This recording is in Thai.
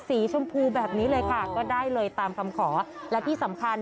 สีชมพูแบบนี้เลยค่ะก็ได้เลยตามคำขอและที่สำคัญ